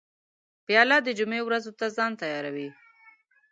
پیاله د جمعې ورځو ته ځان تیاروي.